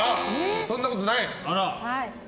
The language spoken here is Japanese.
そんなことない？